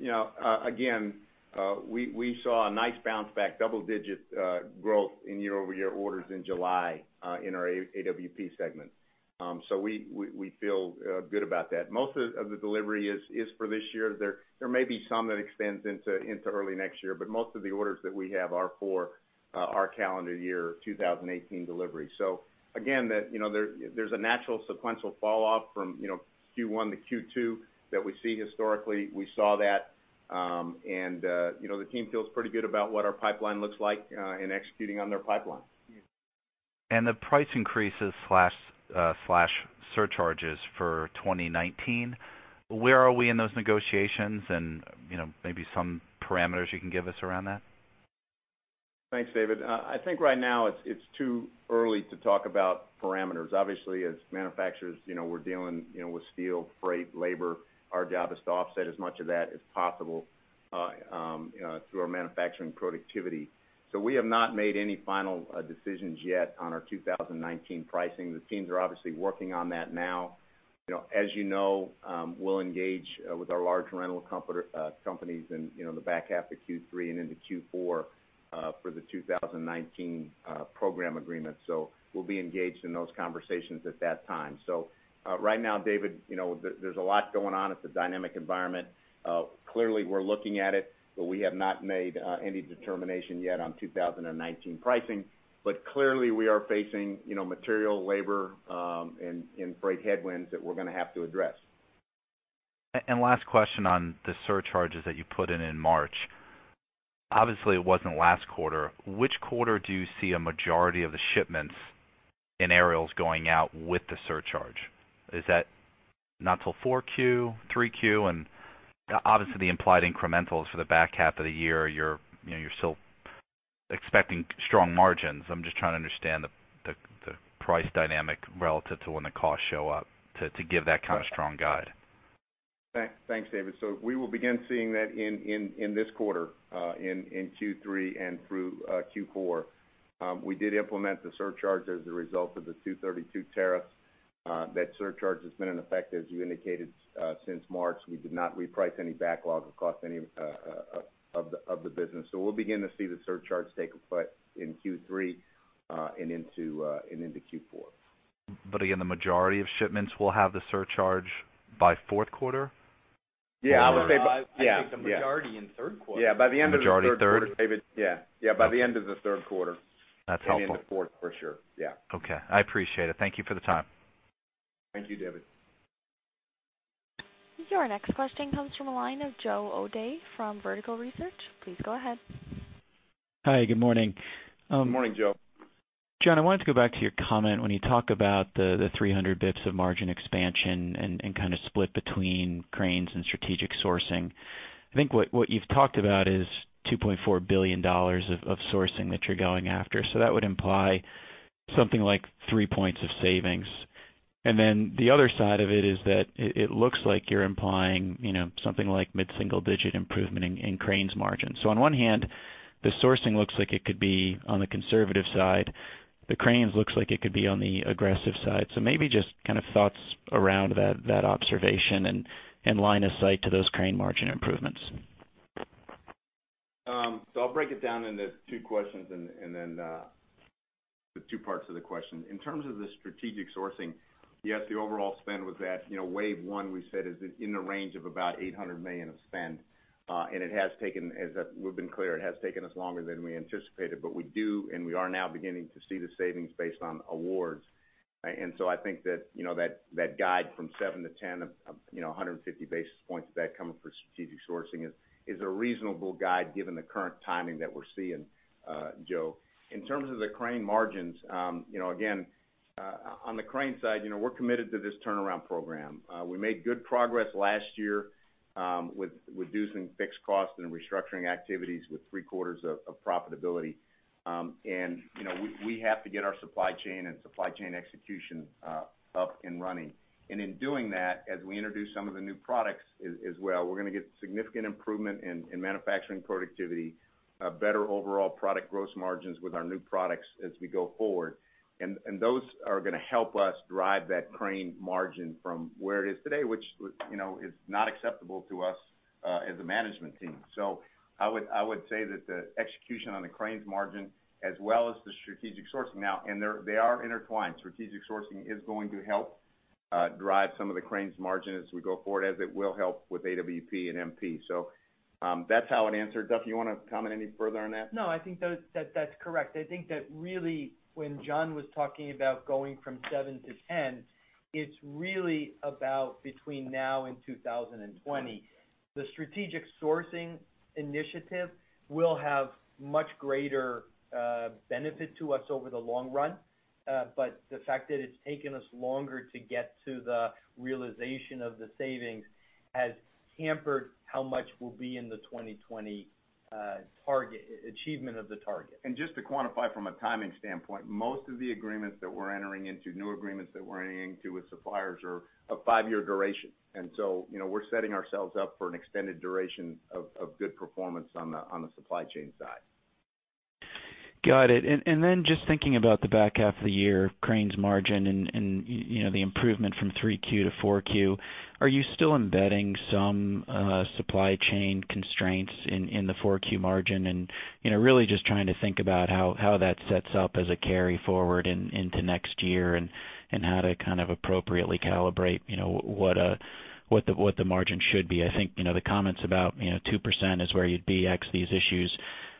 We saw a nice bounce back double-digit growth in year-over-year orders in July in our AWP segment. We feel good about that. Most of the delivery is for this year. There may be some that extends into early next year, but most of the orders that we have are for our calendar year 2018 delivery. Again, there's a natural sequential fall off from Q1 to Q2 that we see historically. We saw that. The team feels pretty good about what our pipeline looks like and executing on their pipeline. The price increases/surcharges for 2019, where are we in those negotiations and maybe some parameters you can give us around that? Thanks, David. I think right now it's too early to talk about parameters. Obviously, as manufacturers, we're dealing with steel, freight, labor. Our job is to offset as much of that as possible through our manufacturing productivity. We have not made any final decisions yet on our 2019 pricing. The teams are obviously working on that now. As you know, we'll engage with our large rental companies in the back half of Q3 and into Q4 for the 2019 program agreement. We'll be engaged in those conversations at that time. Right now, David, there's a lot going on. It's a dynamic environment. Clearly, we're looking at it, but we have not made any determination yet on 2019 pricing. Clearly, we are facing material, labor, and freight headwinds that we're going to have to address. Last question on the surcharges that you put in in March. Obviously, it wasn't last quarter. Which quarter do you see a majority of the shipments in Aerials going out with the surcharge? Is that not till 4Q, 3Q? Obviously, the implied incrementals for the back half of the year, you're still expecting strong margins. I'm just trying to understand the price dynamic relative to when the costs show up to give that kind of strong guide. Thanks, David. We will begin seeing that in this quarter, in Q3 and through Q4. We did implement the surcharge as a result of the 232 tariff. That surcharge has been in effect, as you indicated, since March. We did not reprice any backlog across any of the business. We'll begin to see the surcharge take effect in Q3 and into Q4. Again, the majority of shipments will have the surcharge by fourth quarter? Yeah. I would say. I think the majority in third quarter. Yeah, by the end of the third quarter. Majority third? David. Yeah. By the end of the third quarter. That's helpful. Into fourth, for sure. Yeah. Okay. I appreciate it. Thank you for the time. Thank you, David. Your next question comes from the line of Joe O'Dea from Vertical Research. Please go ahead. Hi, good morning. Good morning, Joe. John, I wanted to go back to your comment when you talk about the 300 basis points of margin expansion and kind of split between Cranes and strategic sourcing. I think what you've talked about is $2.4 billion of sourcing that you're going after. That would imply something like three points of savings. The other side of it is that it looks like you're implying something like mid-single-digit improvement in Cranes margin. On one hand, the sourcing looks like it could be on the conservative side. The Cranes looks like it could be on the aggressive side. Maybe just kind of thoughts around that observation and line of sight to those Crane margin improvements. I'll break it down into two questions and then the two parts of the question. In terms of the strategic sourcing, yes, the overall spend was that. Wave one, we said, is in the range of about $800 million of spend. We've been clear, it has taken us longer than we anticipated, but we do, and we are now beginning to see the savings based on awards. I think that guide from seven to 10 of 150 basis points of that coming from strategic sourcing is a reasonable guide given the current timing that we're seeing, Joe O'Dea. In terms of the Crane margins, again, on the Crane side, we're committed to this turnaround program. We made good progress last year with reducing fixed costs and restructuring activities with three-quarters of profitability. We have to get our supply chain and supply chain execution up and running. In doing that, as we introduce some of the new products as well, we're going to get significant improvement in manufacturing productivity, better overall product gross margins with our new products as we go forward. Those are going to help us drive that Crane margin from where it is today, which is not acceptable to us as a management team. I would say that the execution on the Cranes margin as well as the strategic sourcing now, and they are intertwined. Strategic sourcing is going to help drive some of the Cranes margin as we go forward, as it will help with AWP and MP. That's how I'd answer. Duff, you want to comment any further on that? No, I think that's correct. I think that really when John was talking about going from seven to 10, it's really about between now and 2020. The strategic sourcing initiative will have much greater benefit to us over the long run. The fact that it's taken us longer to get to the realization of the savings has hampered how much will be in the 2020 achievement of the target. Just to quantify from a timing standpoint, most of the agreements that we're entering into, new agreements that we're entering into with suppliers are of five-year duration. We're setting ourselves up for an extended duration of good performance on the supply chain side. Got it. Just thinking about the back half of the year, Cranes margin and the improvement from 3Q to 4Q, are you still embedding some supply chain constraints in the 4Q margin? Really just trying to think about how that sets up as a carry forward into next year and how to kind of appropriately calibrate what the margin should be. I think, the comments about 2% is where you'd be ex these issues.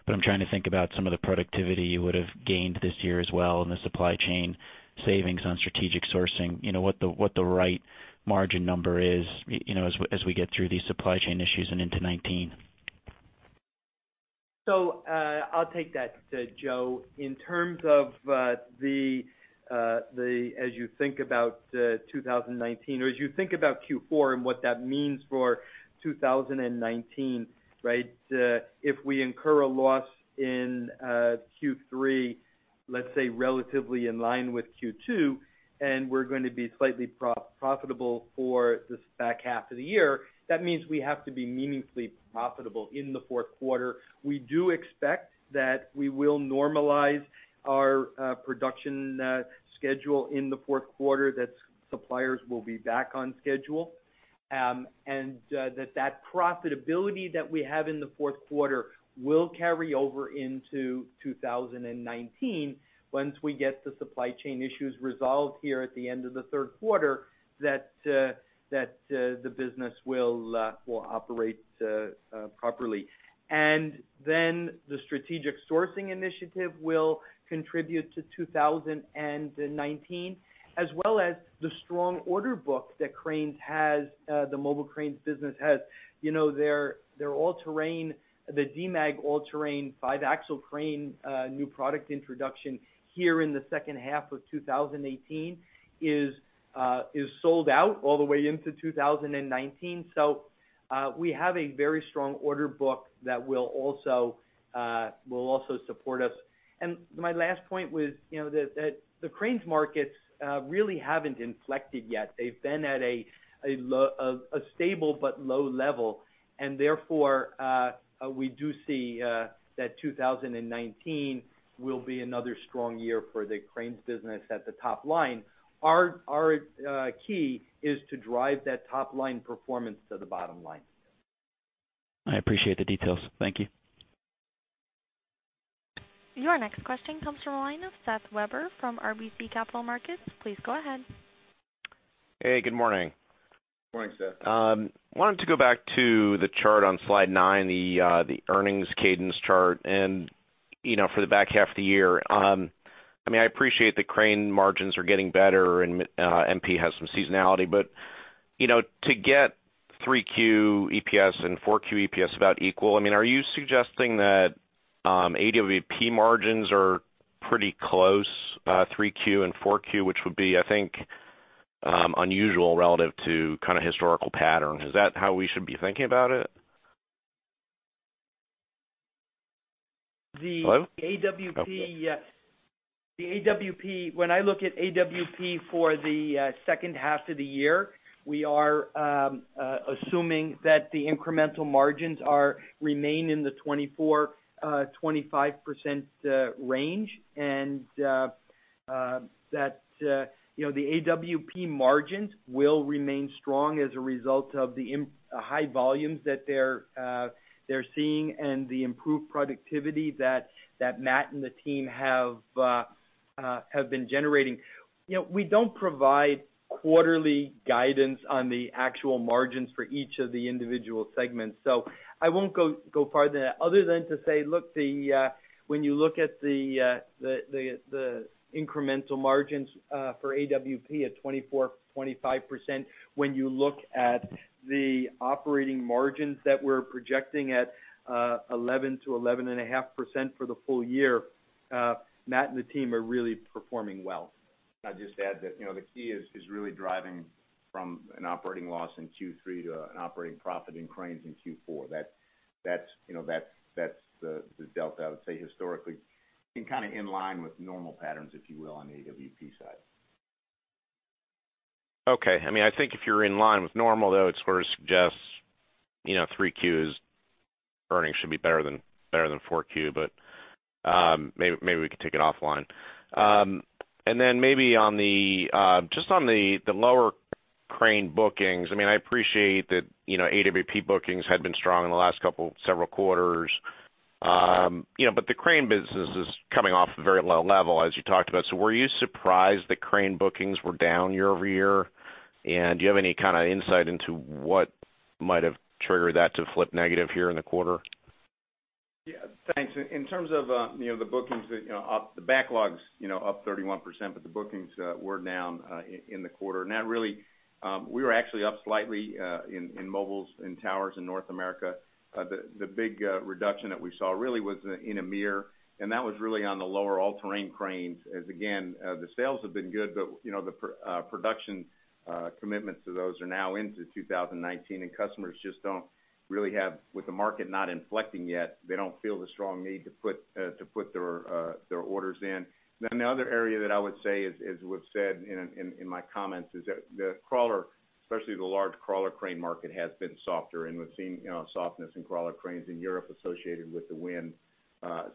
I'm trying to think about some of the productivity you would've gained this year as well in the supply chain savings on strategic sourcing. What the right margin number is as we get through these supply chain issues and into 2019. I'll take that, Joe. In terms of as you think about 2019 or as you think about Q4 and what that means for 2019, if we incur a loss in Q3, let's say, relatively in line with Q2, and we're going to be slightly profitable for this back half of the year, that means we have to be meaningfully profitable in the fourth quarter. We do expect that we will normalize our production schedule in the fourth quarter, that suppliers will be back on schedule. That profitability that we have in the fourth quarter will carry over into 2019 once we get the supply chain issues resolved here at the end of the third quarter that the business will operate properly. The strategic sourcing initiative will contribute to 2019 as well as the strong order book that the mobile Cranes business has. Their Demag all-terrain five-axle crane new product introduction here in the second half of 2018 is sold out all the way into 2019. We have a very strong order book that will also support us. My last point was that the Cranes markets really haven't inflected yet. They've been at a stable but low level and therefore, we do see that 2019 will be another strong year for the Cranes business at the top line. Our key is to drive that top-line performance to the bottom line. I appreciate the details. Thank you. Your next question comes from the line of Seth Weber from RBC Capital Markets. Please go ahead. Hey, good morning. Good morning, Seth. Wanted to go back to the chart on slide nine, the earnings cadence chart, for the back half of the year. I appreciate that crane margins are getting better and MP has some seasonality, but to get three Q EPS and four Q EPS about equal, are you suggesting that AWP margins are pretty close, three Q and four Q, which would be, I think unusual relative to kind of historical pattern. Is that how we should be thinking about it? Hello? The AWP, when I look at AWP for the second half of the year, we are assuming that the incremental margins remain in the 24%-25% range and that the AWP margins will remain strong as a result of the high volumes that they're seeing and the improved productivity that Matt and the team have been generating. I won't go farther than that other than to say, look, when you look at the incremental margins for AWP at 24%-25%, when you look at the operating margins that we're projecting at 11%-11.5% for the full year, Matt and the team are really performing well. I'll just add that the key is really driving from an operating loss in Q3 to an operating profit in cranes in Q4. That's the delta I would say historically being kind of in line with normal patterns, if you will, on the AWP side. Okay. I think if you're in line with normal, though it sort of suggests, three Q's earnings should be better than four Q, maybe we can take it offline. Maybe just on the lower crane bookings. I appreciate that AWP bookings had been strong in the last several quarters. The crane business is coming off a very low level, as you talked about. Were you surprised that crane bookings were down year-over-year? Do you have any kind of insight into what might have triggered that to flip negative here in the quarter? Yeah. Thanks. In terms of the bookings, the backlogs up 31%, the bookings were down in the quarter. We were actually up slightly in mobiles and towers in North America. The big reduction that we saw really was in EMEAR, and that was really on the lower all-terrain cranes as again the sales have been good, but the production commitments to those are now into 2019 and customers just don't really have, with the market not inflecting yet, they don't feel the strong need to put their orders in. The other area that I would say is, as was said in my comments, is that the crawler, especially the large crawler crane market, has been softer, and we've seen softness in crawler cranes in Europe associated with the wind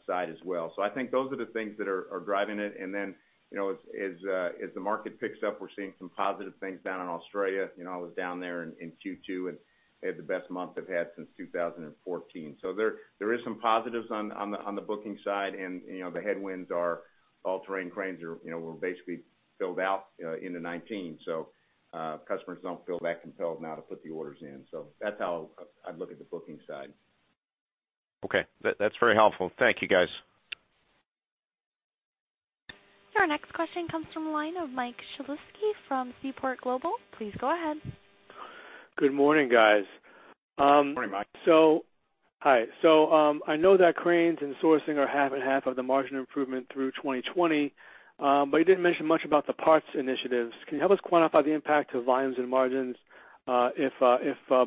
side as well. I think those are the things that are driving it. As the market picks up, we're seeing some positive things down in Australia. I was down there in Q2 and they had the best month they've had since 2014. There is some positives on the booking side and the headwinds are all-terrain cranes were basically filled out into 2019. Customers don't feel that compelled now to put the orders in. That's how I'd look at the booking side. Okay. That's very helpful. Thank you guys. Your next question comes from the line of Mike Shlisky from Seaport Global. Please go ahead. Good morning, guys. Morning, Mike. Hi. I know that cranes and sourcing are half and half of the margin improvement through 2020, you didn't mention much about the parts initiatives. Can you help us quantify the impact to volumes and margins if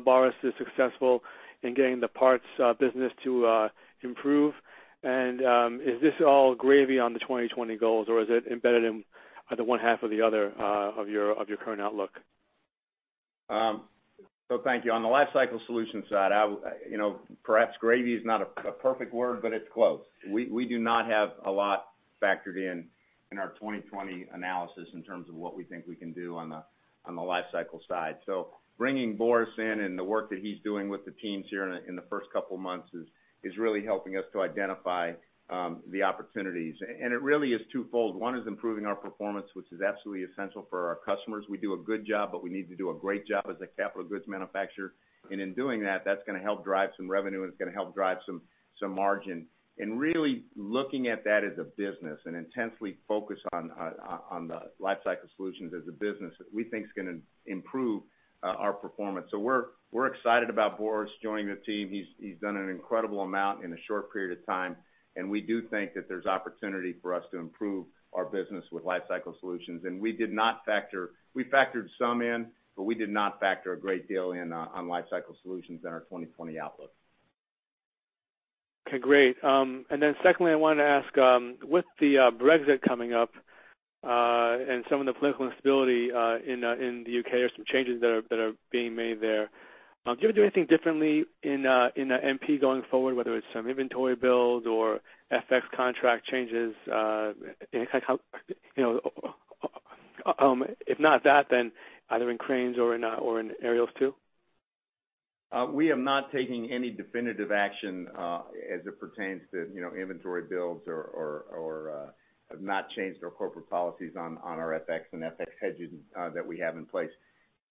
Boris is successful in getting the parts business to improve? Is this all gravy on the 2020 goals, or is it embedded in either one half or the other of your current outlook? Thank you. On the lifecycle solutions side, perhaps gravy is not a perfect word, but it's close. We do not have a lot factored in in our 2020 analysis in terms of what we think we can do on the lifecycle side. Bringing Boris in and the work that he's doing with the teams here in the first couple of months is really helping us to identify the opportunities. It really is twofold. One is improving our performance, which is absolutely essential for our customers. We do a good job, but we need to do a great job as a capital goods manufacturer. In doing that's going to help drive some revenue, and it's going to help drive some margin. Really looking at that as a business and intensely focus on the lifecycle solutions as a business, we think is going to improve our performance. We're excited about Boris joining the team. He's done an incredible amount in a short period of time, and we do think that there's opportunity for us to improve our business with lifecycle solutions. We factored some in, but we did not factor a great deal in on lifecycle solutions in our 2020 outlook. Okay, great. Secondly, I wanted to ask, with the Brexit coming up, and some of the political instability in the U.K., there's some changes that are being made there. Do you ever do anything differently in MP going forward, whether it's some inventory builds or FX contract changes? If not that, either in cranes or in aerials, too? We are not taking any definitive action as it pertains to inventory builds or have not changed our corporate policies on our FX and FX hedges that we have in place.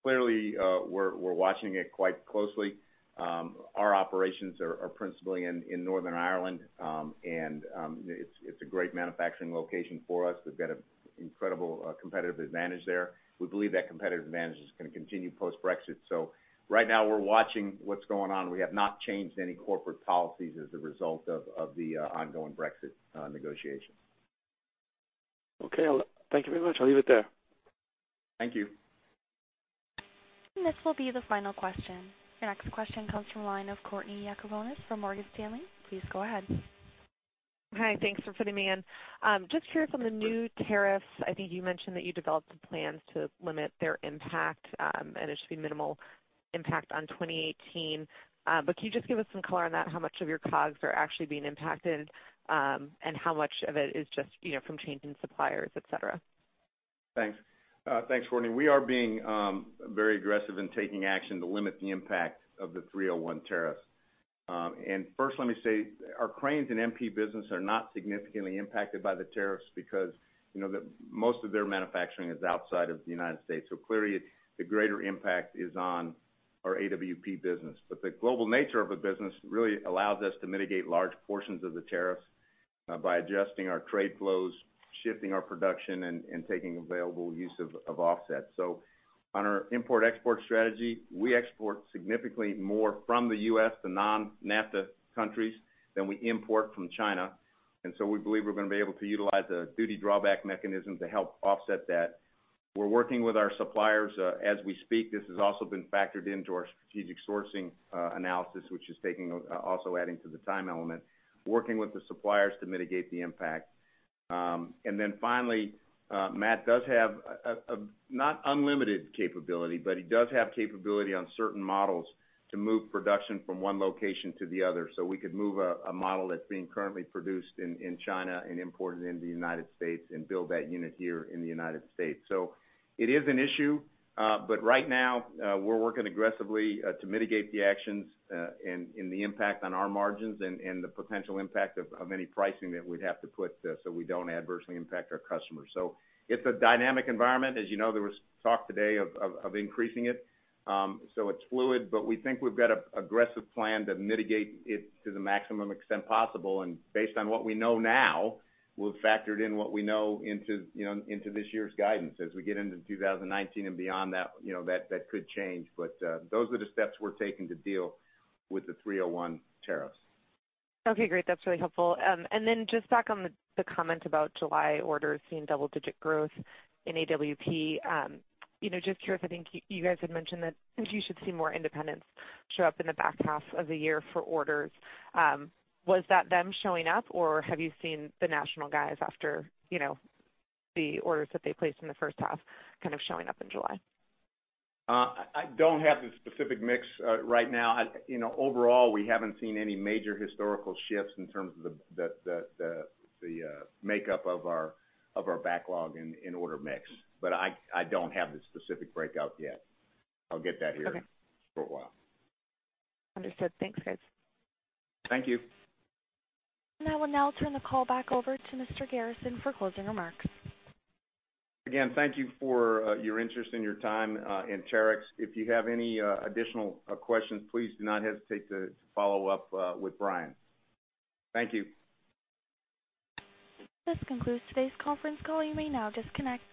Clearly, we're watching it quite closely. Our operations are principally in Northern Ireland, and it's a great manufacturing location for us. We've got an incredible competitive advantage there. We believe that competitive advantage is going to continue post-Brexit. Right now we're watching what's going on. We have not changed any corporate policies as a result of the ongoing Brexit negotiation. Okay, thank you very much. I'll leave it there. Thank you. This will be the final question. Your next question comes from the line of Courtney Yakavonis from Morgan Stanley. Please go ahead. Hi. Thanks for fitting me in. Just curious on the new tariffs, I think you mentioned that you developed some plans to limit their impact, and it should be minimal impact on 2018. Can you just give us some color on that? How much of your costs are actually being impacted, and how much of it is just from changing suppliers, et cetera? Thanks. Thanks, Courtney. We are being very aggressive in taking action to limit the impact of the 301 tariff. First, let me say, our cranes and MP business are not significantly impacted by the tariffs because most of their manufacturing is outside of the U.S., clearly the greater impact is on our AWP business. The global nature of the business really allows us to mitigate large portions of the tariff by adjusting our trade flows, shifting our production, and taking available use of offsets. On our import/export strategy, we export significantly more from the U.S. to non-NAFTA countries than we import from China, we believe we're going to be able to utilize a duty drawback mechanism to help offset that. We're working with our suppliers as we speak. This has also been factored into our strategic sourcing analysis, which is also adding to the time element, working with the suppliers to mitigate the impact. Finally, Matt does have a, not unlimited capability, but he does have capability on certain models to move production from one location to the other. We could move a model that's being currently produced in China and imported into the U.S. and build that unit here in the U.S. It is an issue, but right now, we're working aggressively to mitigate the actions and the impact on our margins and the potential impact of any pricing that we'd have to put so we don't adversely impact our customers. It's a dynamic environment. As you know, there was talk today of increasing it. It's fluid, but we think we've got an aggressive plan to mitigate it to the maximum extent possible. Based on what we know now, we've factored in what we know into this year's guidance. As we get into 2019 and beyond that could change. Those are the steps we're taking to deal with the Section 301 tariffs. Okay, great. That's really helpful. Just back on the comment about July orders seeing double-digit growth in AWP. Just curious, I think you guys had mentioned that you should see more independents show up in the back half of the year for orders. Was that them showing up, or have you seen the national guys after the orders that they placed in the first half kind of showing up in July? I don't have the specific mix right now. Overall, we haven't seen any major historical shifts in terms of the makeup of our backlog in order mix, but I don't have the specific breakout yet. I'll get that here. Okay for a while. Understood. Thanks, guys. Thank you. I will now turn the call back over to Mr. Garrison for closing remarks. Again, thank you for your interest and your time in Terex. If you have any additional questions, please do not hesitate to follow up with Brian. Thank you. This concludes today's conference call. You may now disconnect.